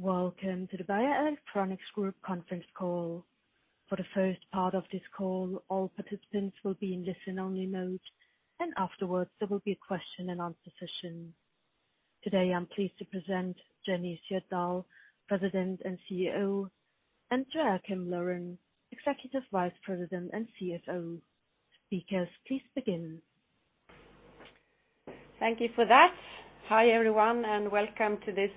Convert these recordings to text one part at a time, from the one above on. Welcome to the Ependion conference call. For the first part of this call, all participants will be in listen only mode, and afterwards there will be a question and answer session. Today, I'm pleased to present Jenny Sjödahl, President and CEO, and Joakim Laurén, Executive Vice President and CFO. Speakers, please begin. Thank you for that. Hi, everyone, and welcome to this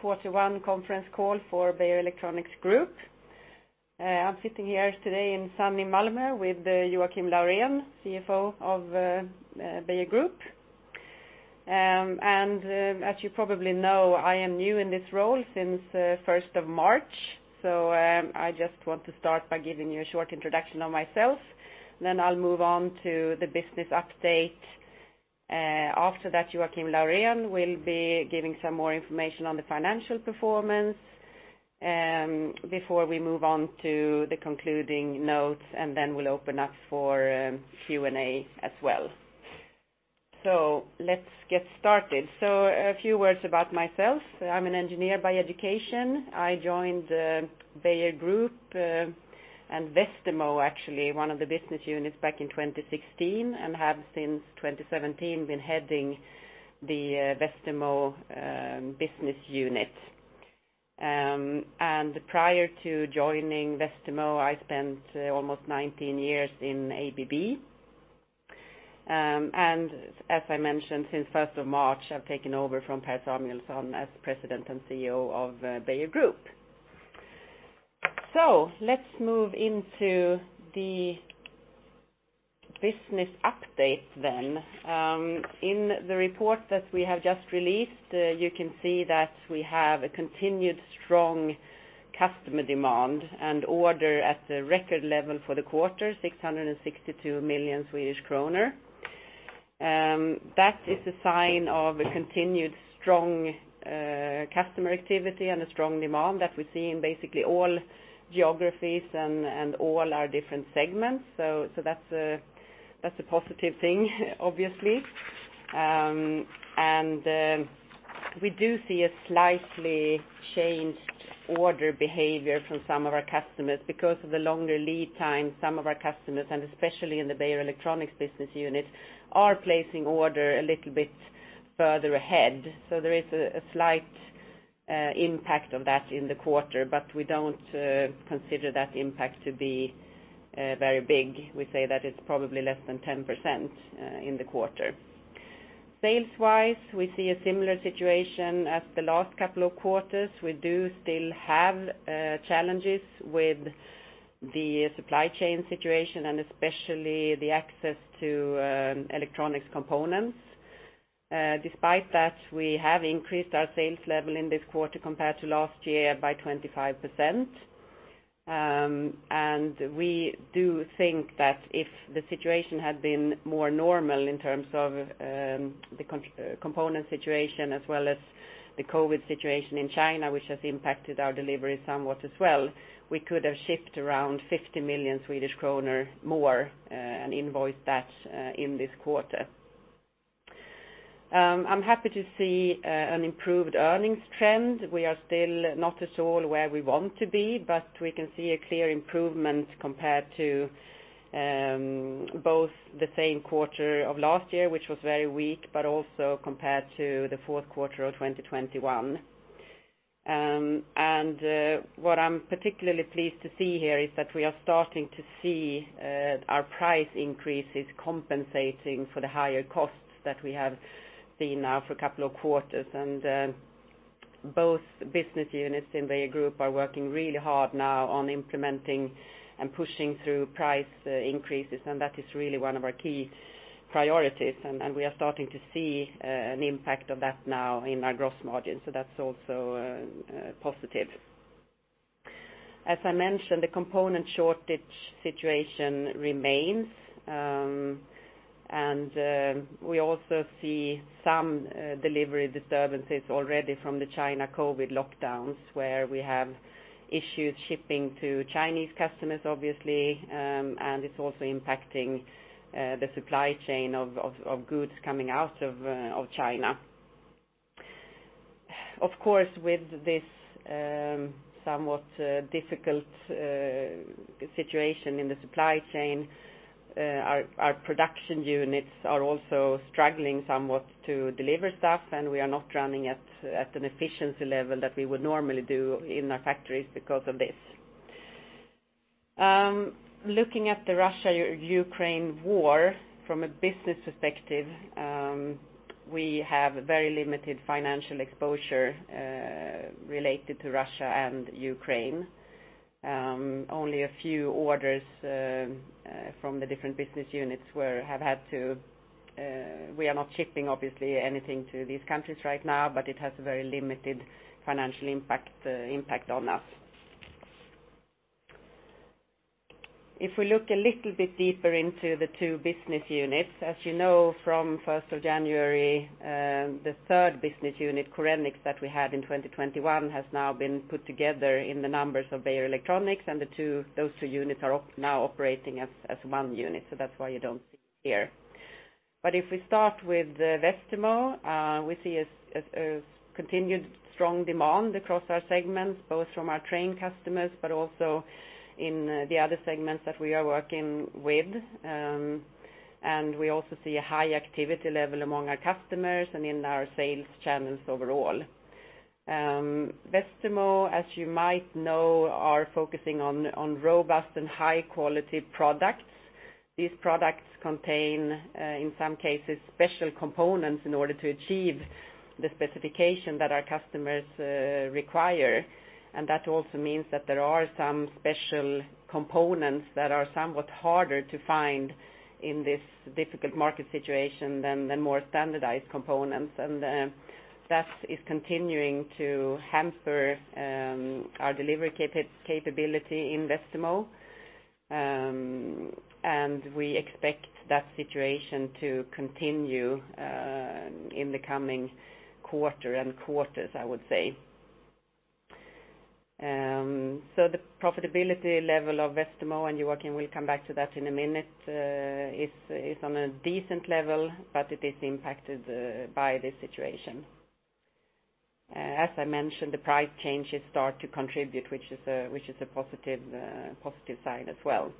quarter one conference call for Ependion. I'm sitting here today in sunny Malmö with Joakim Laurén, CFO of Ependion. As you probably know, I am new in this role since first of March. I just want to start by giving you a short introduction of myself, then I'll move on to the business update. After that, Joakim Laurén will be giving some more information on the financial performance before we move on to the concluding notes, and then we'll open up for Q and A as well. Let's get started. A few words about myself. I'm an engineer by education. I joined Beijer Group and Westermo, actually one of the business units back in 2016, and have since 2017 been heading the Westermo business unit. Prior to joining Westermo, I spent almost 19 years in ABB. As I mentioned, since 1st of March, I've taken over from Per Samuelsson as President and CEO of Beijer Group. Let's move into the business update then. In the report that we have just released, you can see that we have a continued strong customer demand and order at the record level for the quarter, 662 million Swedish kronor. That is a sign of a continued strong customer activity and a strong demand that we see in basically all geographies and all our different segments. That's a positive thing, obviously. We do see a slightly changed order behavior from some of our customers. Because of the longer lead time, some of our customers, and especially in the Beijer Electronics business unit, are placing order a little bit further ahead. There is a slight impact on that in the quarter, but we don't consider that impact to be very big. We say that it's probably less than 10% in the quarter. Sales wise, we see a similar situation as the last couple of quarters. We do still have challenges with the supply chain situation and especially the access to electronics components. Despite that, we have increased our sales level in this quarter compared to last year by 25%. We do think that if the situation had been more normal in terms of the component situation as well as the COVID situation in China, which has impacted our delivery somewhat as well, we could have shipped around 50 million Swedish kronor more, and invoiced that in this quarter. I'm happy to see an improved earnings trend. We are still not at all where we want to be, but we can see a clear improvement compared to both the same quarter of last year, which was very weak, but also compared to the fourth quarter of 2021. What I'm particularly pleased to see here is that we are starting to see our price increases compensating for the higher costs that we have seen now for a couple of quarters. Both business units in Beijer Group are working really hard now on implementing and pushing through price increases, and that is really one of our key priorities. We are starting to see an impact of that now in our gross margin. That's also positive. As I mentioned, the component shortage situation remains. We also see some delivery disturbances already from the China COVID lockdowns, where we have issues shipping to Chinese customers, obviously. It's also impacting the supply chain of goods coming out of China. Of course, with this somewhat difficult situation in the supply chain, our production units are also struggling somewhat to deliver stuff, and we are not running at an efficiency level that we would normally do in our factories because of this. Looking at the Russia-Ukraine war from a business perspective, we have very limited financial exposure related to Russia and Ukraine. Only a few orders from the different business units have had to. We are not shipping, obviously, anything to these countries right now, but it has a very limited financial impact on us. If we look a little bit deeper into the two business units, as you know, from first of January, the third business unit, Korenix, that we had in 2021, has now been put together in the numbers of Beijer Electronics. Those two units are now operating as one unit, so that's why you don't see it here. If we start with Westermo, we see a continued strong demand across our segments, both from our traditional customers, but also in the other segments that we are working with. And we also see a high activity level among our customers and in our sales channels overall. Westermo, as you might know, are focusing on robust and high quality products. These products contain, in some cases, special components in order to achieve the specification that our customers require, and that also means that there are some special components that are somewhat harder to find in this difficult market situation than more standardized components. That is continuing to hamper our delivery capability in Westermo. We expect that situation to continue in the coming quarter and quarters, I would say. The profitability level of Westermo, and Joakim will come back to that in a minute, is on a decent level, but it is impacted by this situation. As I mentioned, the price changes start to contribute, which is a positive sign as well.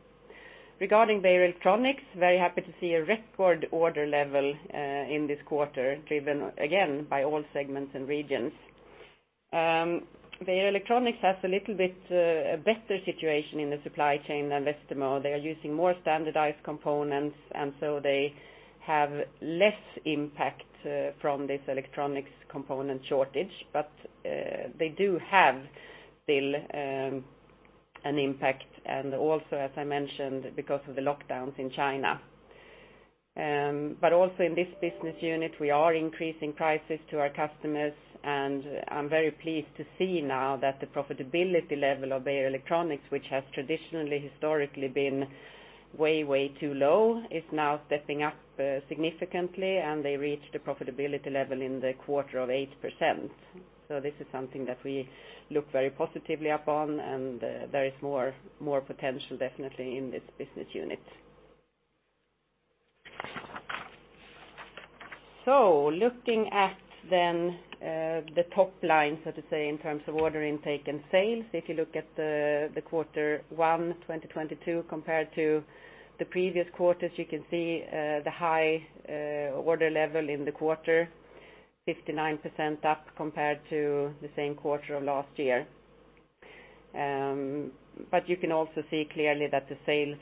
Regarding Beijer Electronics, very happy to see a record order level in this quarter, driven again by all segments and regions. Beijer Electronics has a little bit a better situation in the supply chain than Westermo. They are using more standardized components, and so they have less impact from this electronics component shortage, but they do have still an impact, and also, as I mentioned, because of the lockdowns in China. Also in this business unit, we are increasing prices to our customers, and I'm very pleased to see now that the profitability level of Beijer Electronics, which has traditionally historically been way too low, is now stepping up significantly, and they reached a profitability level in the quarter of 8%. This is something that we look very positively upon, and there is more potential definitely in this business unit. Looking at then the top line, so to say, in terms of order intake and sales, if you look at the Q1 2022 compared to the previous quarters, you can see the high order level in the quarter, 59% up compared to the same quarter of last year. You can also see clearly that the sales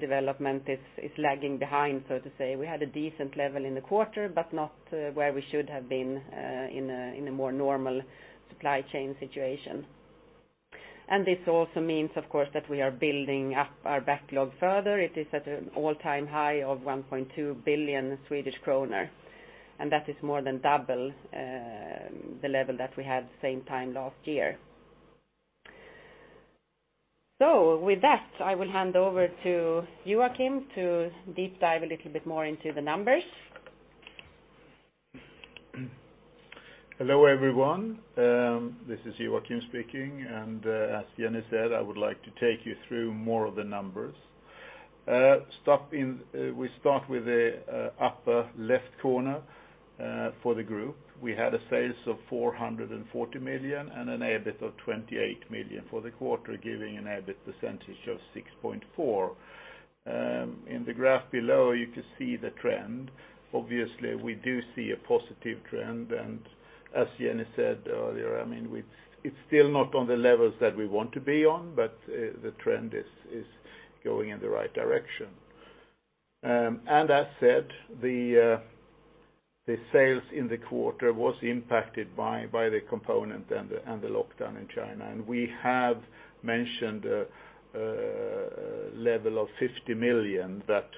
development is lagging behind, so to say. We had a decent level in the quarter, but not where we should have been in a more normal supply chain situation. This also means, of course, that we are building up our backlog further. It is at an all-time high of 1.2 billion Swedish kronor, and that is more than double the level that we had same time last year. With that, I will hand over to Joakim to deep dive a little bit more into the numbers. Hello, everyone. This is Joakim speaking, and as Jenny said, I would like to take you through more of the numbers. We start with the upper left corner for the group. We had sales of 440 million and an EBIT of 28 million for the quarter, giving an EBIT percentage of 6.4%. In the graph below, you can see the trend. Obviously, we do see a positive trend, and as Jenny said earlier, I mean, it's still not on the levels that we want to be on, but the trend is going in the right direction. As said, the sales in the quarter was impacted by the component and the lockdown in China, and we have mentioned a level of 50 million that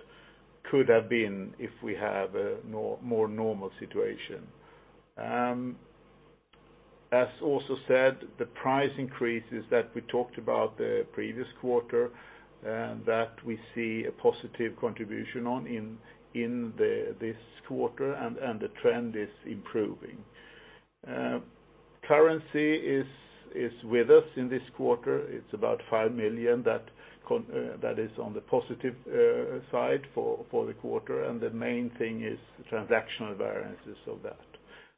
could have been if we have a more normal situation. As also said, the price increases that we talked about the previous quarter, that we see a positive contribution on in this quarter, and the trend is improving. Currency is with us in this quarter. It's about 5 million that is on the positive side for the quarter, and the main thing is transactional variances of that.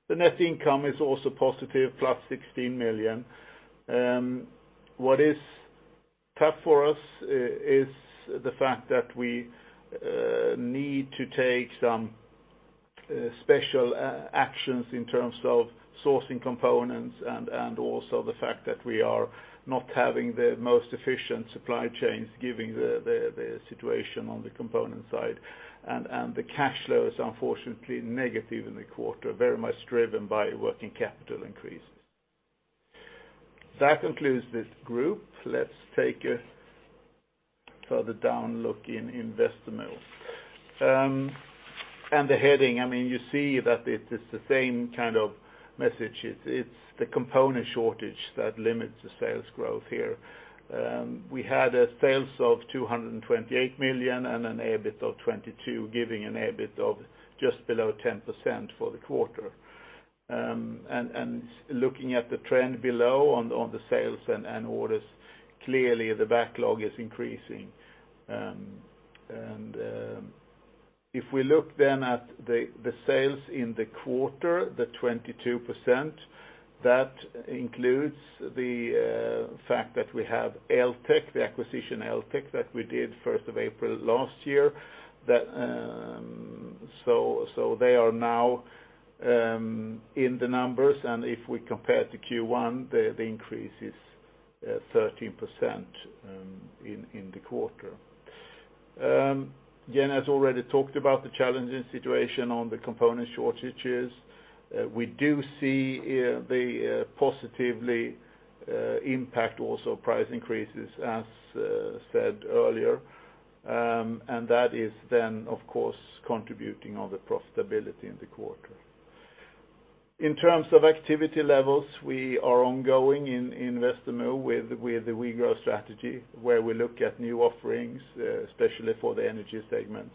The net income is also positive, +16 million. What is tough for us is the fact that we need to take some special actions in terms of sourcing components and also the fact that we are not having the most efficient supply chains given the situation on the component side. The cash flow is unfortunately negative in the quarter, very much driven by working capital increases. That concludes this group. Let's take a further down look in Westermo. The heading, I mean, you see that it is the same kind of message. It's the component shortage that limits the sales growth here. We had sales of 228 million and an EBIT of 22 million, giving an EBIT of just below 10% for the quarter. Looking at the trend below on the sales and orders, clearly the backlog is increasing. If we look then at the sales in the quarter, the 22%, that includes the fact that we have ELTEC, the acquisition ELTEC, that we did first of April last year. That, so they are now in the numbers, and if we compare to Q1, the increase is 13% in the quarter. Jenny has already talked about the challenging situation on the component shortages. We do see the positive impact also price increases, as said earlier. That is then, of course, contributing on the profitability in the quarter. In terms of activity levels, we are ongoing in Westermo with the WeGrow strategy, where we look at new offerings, especially for the energy segments.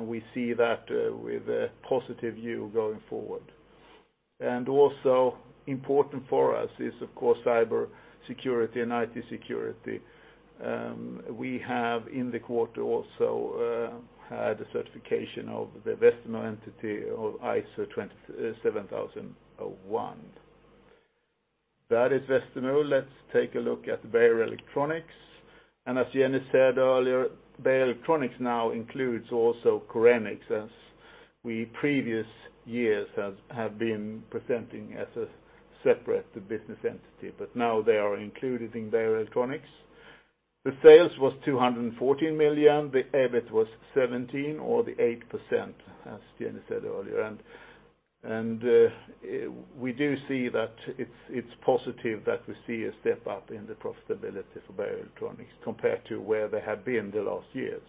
We see that with a positive view going forward. Also important for us is, of course, cybersecurity and IT security. We have in the quarter also had a certification of the Westermo entity of ISO 27001. That is Westermo. Let's take a look at Beijer Electronics. As Jenny said earlier, Beijer Electronics now includes also Korenix, as we previous years have been presenting as a separate business entity. Now they are included in Beijer Electronics. The sales was 214 million. The EBIT was 17 million, or 8%, as Jenny said earlier. We do see that it's positive that we see a step up in the profitability for Beijer Electronics compared to where they have been the last years.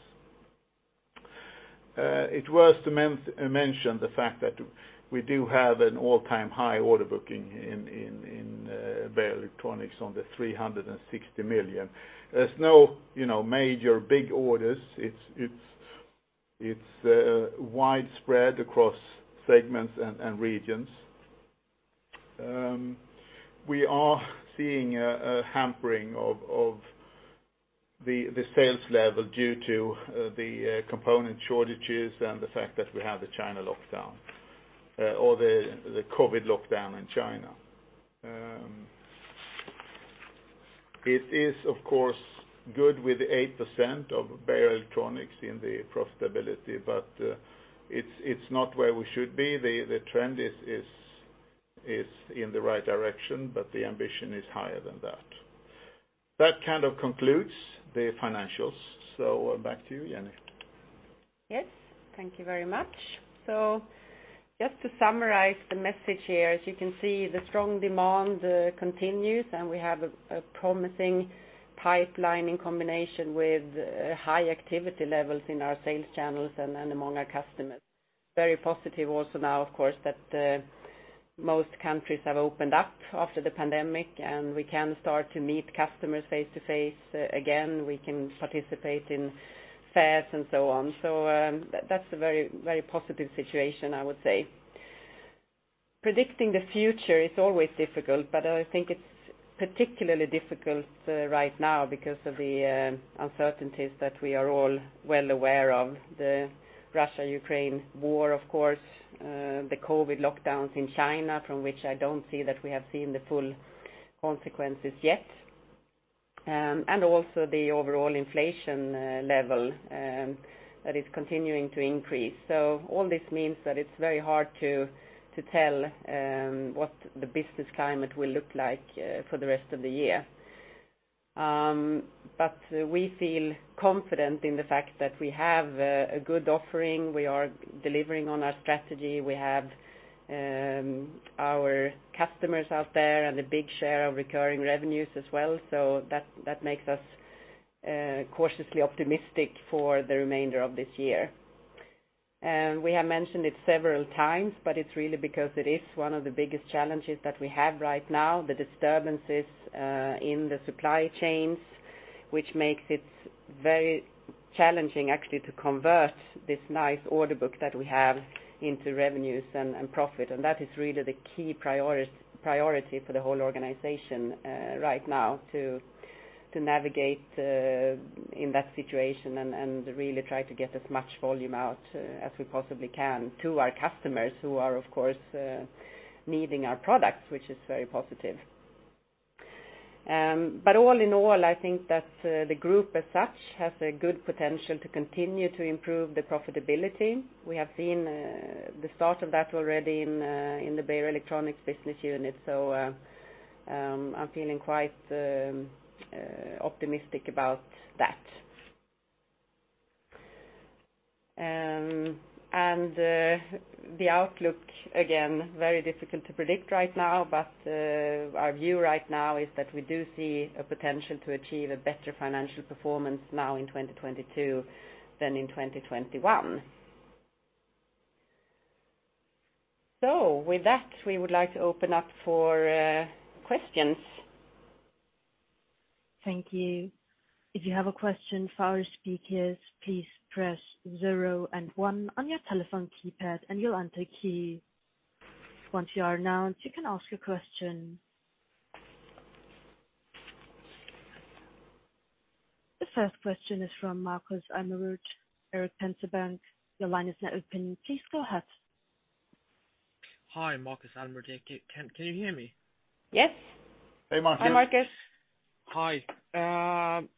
It's worth to mention the fact that we do have an all-time high order booking in Beijer Electronics on 360 million. There's no, you know, major big orders. It's widespread across segments and regions. We are seeing a hampering of the sales level due to the component shortages and the fact that we have the China lockdown or the COVID lockdown in China. It is of course good with 8% of Beijer Electronics in the profitability, but it's not where we should be. The trend is in the right direction, but the ambition is higher than that. That kind of concludes the financials. Back to you, Jenny. Yes. Thank you very much. Just to summarize the message here, as you can see, the strong demand continues, and we have a promising pipeline in combination with high activity levels in our sales channels and among our customers. Very positive also now of course, that most countries have opened up after the pandemic, and we can start to meet customers face to face again, we can participate in fairs, and so on. That's a very, very positive situation, I would say. Predicting the future is always difficult, but I think it's particularly difficult right now because of the uncertainties that we are all well aware of. The Russia-Ukraine war, of course, the COVID lockdowns in China, from which I don't see that we have seen the full consequences yet, and also the overall inflation level that is continuing to increase. All this means that it's very hard to tell what the business climate will look like for the rest of the year. We feel confident in the fact that we have a good offering. We are delivering on our strategy. We have our customers out there and a big share of recurring revenues as well. That makes us cautiously optimistic for the remainder of this year. We have mentioned it several times, but it's really because it is one of the biggest challenges that we have right now, the disturbances in the supply chains, which makes it very challenging actually to convert this nice order book that we have into revenues and profit. That is really the key priority for the whole organization right now to navigate in that situation and really try to get as much volume out as we possibly can to our customers who are of course needing our products, which is very positive. All in all, I think that the group as such has a good potential to continue to improve the profitability. We have seen the start of that already in the Beijer Electronics business unit. I'm feeling quite optimistic about that. The outlook, again, very difficult to predict right now, but our view right now is that we do see a potential to achieve a better financial performance now in 2022 than in 2021. With that, we would like to open up for questions. Thank you. If you have a question for our speakers, please press zero and one on your telephone keypad, and you'll enter the queue. Once you are announced, you can ask your question. The first question is from Markus Almerud, Erik Penser Bank. Your line is now open. Please go ahead. Hi, Markus Almerud. Can you hear me? Yes. Hey, Markus. Hi, Markus. Hi.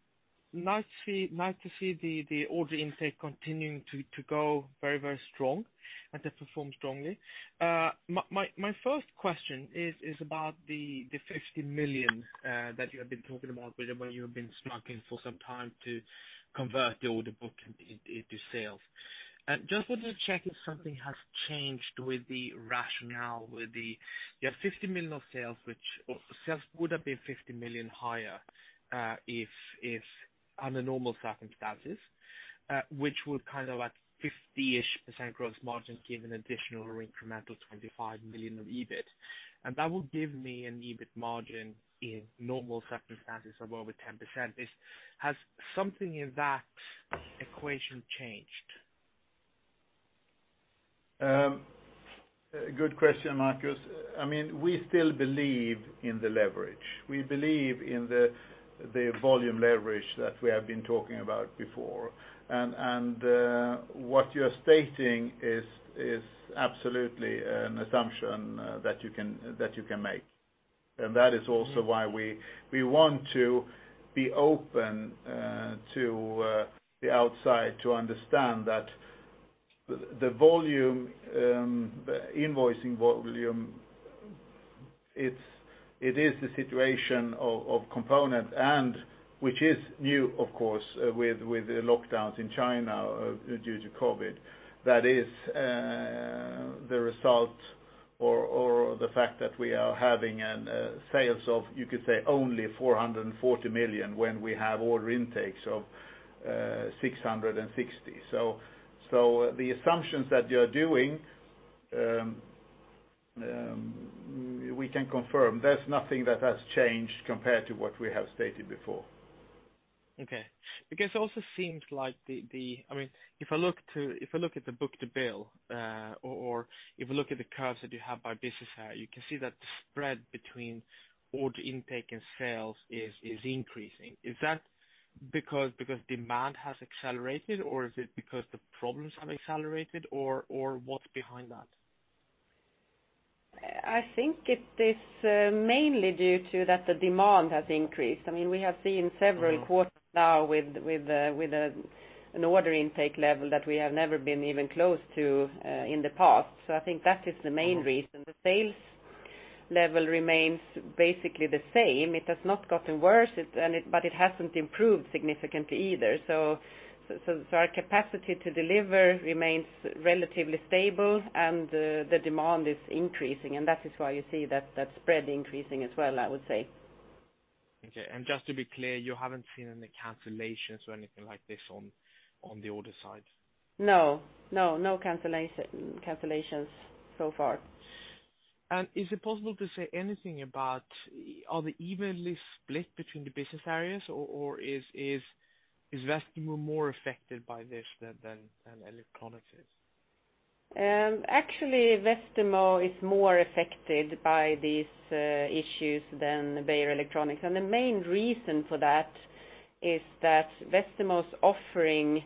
Nice to see the order intake continuing to go very strong and to perform strongly. My first question is about the 50 million that you have been talking about, where you have been struggling for some time to convert the order book into sales. Just wanted to check if something has changed with the rationale, with the you have 50 million of sales, which or sales would have been 50 million higher, if under normal circumstances, which would kind of at 50-ish% gross margin give an additional or incremental 25 million of EBIT. That would give me an EBIT margin in normal circumstances of over 10%. Has something in that equation changed? Good question, Markus. I mean, we still believe in the leverage. We believe in the volume leverage that we have been talking about before. And what you're stating is absolutely an assumption that you can make. And that is also why we want to be open to the outside to understand that the invoicing volume, it is the situation of components and which is new, of course, with the lockdowns in China due to COVID. That is the result or the fact that we are having sales of, you could say, only 440 million when we have order intakes of 660. The assumptions that you're doing, we can confirm there's nothing that has changed compared to what we have stated before. Okay. It also seems like I mean, if I look at the book-to-bill, or if I look at the curves that you have by business area, you can see that the spread between order intake and sales is increasing. Is that because demand has accelerated, or is it because the problems have accelerated or what's behind that? I think it is mainly due to that the demand has increased. I mean, we have seen several quarters now with an order intake level that we have never been even close to in the past. I think that is the main reason. The sales level remains basically the same. It has not gotten worse, but it hasn't improved significantly either. Our capacity to deliver remains relatively stable and the demand is increasing, and that is why you see that spread increasing as well, I would say. Okay. Just to be clear, you haven't seen any cancellations or anything like this on the order side? No cancellations so far. Is it possible to say anything about are they evenly split between the business areas or is Westermo more affected by this than Electronics is? Actually, Westermo is more affected by these issues than Beijer Electronics. The main reason for that is that Westermo's offering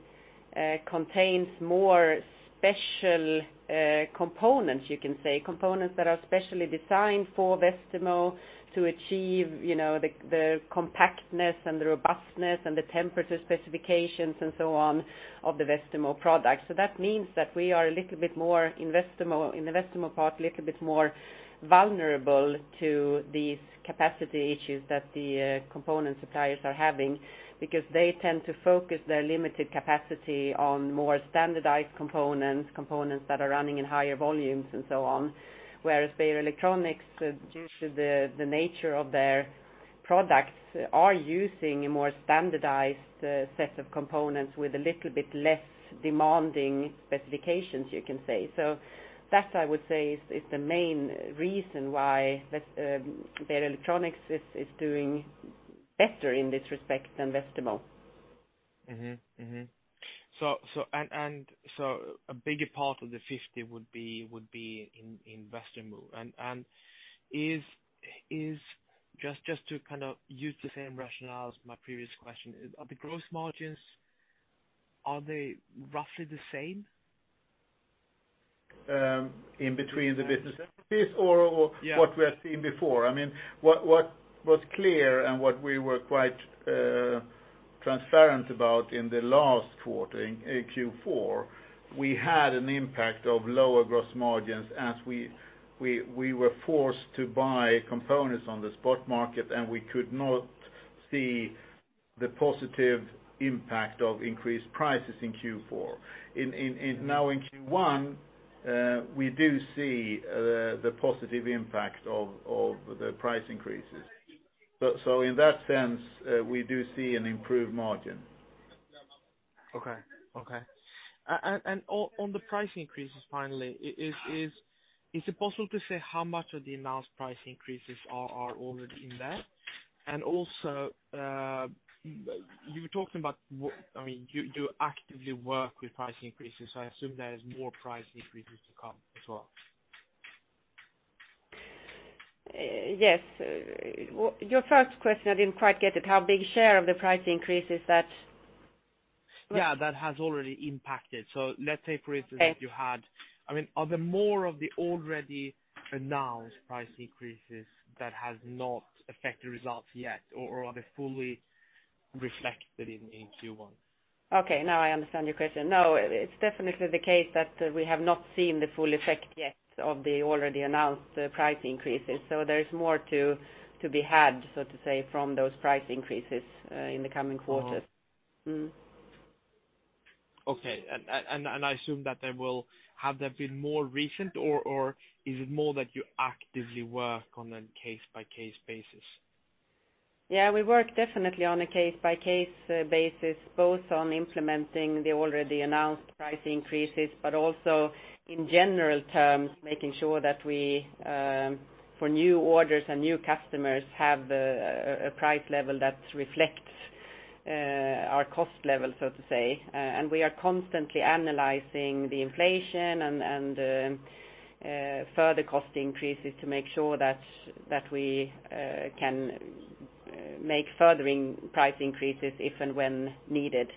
contains more special components, you can say, components that are specially designed for Westermo to achieve, you know, the compactness and the robustness and the temperature specifications and so on of the Westermo product. That means that we are a little bit more in the Westermo part, a little bit more vulnerable to these capacity issues that the component suppliers are having because they tend to focus their limited capacity on more standardized components that are running in higher volumes and so on. Whereas Beijer Electronics, due to the nature of their products, are using a more standardized set of components with a little bit less demanding specifications, you can say. That, I would say, is the main reason why Beijer Electronics is doing better in this respect than Westermo. A bigger part of the 50 would be in Westermo. Just to kind of use the same rationale as my previous question, are the gross margins roughly the same? In between the business areas? Yeah. What we have seen before? I mean, what was clear and what we were quite transparent about in the last quarter, in Q4, we had an impact of lower gross margins as we were forced to buy components on the spot market, and we could not see the positive impact of increased prices in Q4. In now in Q1, we do see the positive impact of the price increases. In that sense, we do see an improved margin. Okay. On the price increases finally, is it possible to say how much of the announced price increases are already in there? Also, you were talking about what I mean, you actively work with price increases, so I assume there is more price increases to come as well. Yes. Well, your first question, I didn't quite get it. How big a share of the price increases that? Yeah, that has already impacted. Let's say for instance- Okay. I mean, are there more of the already announced price increases that has not affected results yet or are they fully reflected in Q1? Okay, now I understand your question. No, it's definitely the case that we have not seen the full effect yet of the already announced price increases. There is more to be had, so to say, from those price increases in the coming quarters. Oh. Mm-hmm. Okay. Have they been more recent or is it more that you actively work on a case-by-case basis? Yeah, we work definitely on a case-by-case basis, both on implementing the already announced price increases, but also in general terms, making sure that we for new orders and new customers have a price level that reflects our cost level, so to say. And we are constantly analyzing the inflation and further cost increases to make sure that we can make further price increases if and when needed.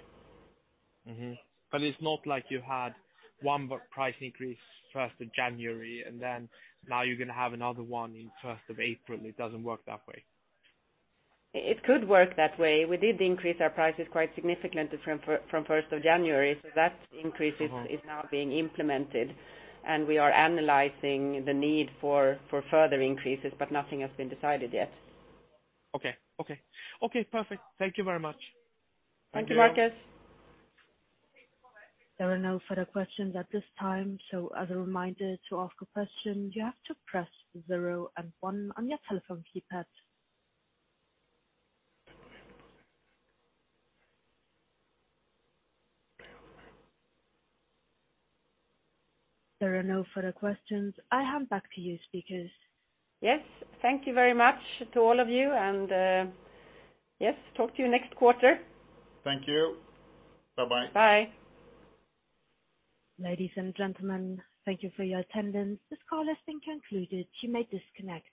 It's not like you had one price increase first of January and then now you're gonna have another one in first of April. It doesn't work that way. It could work that way. We did increase our prices quite significantly from first of January, so that increase is now being implemented and we are analyzing the need for further increases, but nothing has been decided yet. Okay, perfect. Thank you very much. Thank you, Marcus. There are no further questions at this time, so as a reminder to ask a question, you have to press zero and one on your telephone keypad. There are no further questions. I hand back to you, speakers. Yes. Thank you very much to all of you and yes, talk to you next quarter. Thank you. Bye-bye. Bye. Ladies and gentlemen, thank you for your attendance. This call has been concluded. You may disconnect.